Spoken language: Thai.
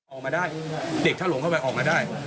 ออกมาได้เด็กถ้าหลงเข้าไปออกมาได้